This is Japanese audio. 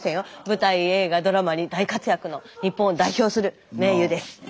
舞台映画ドラマに大活躍の日本を代表する名優です。